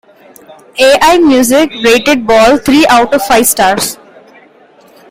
AllMusic rated "Ball" three out of five stars.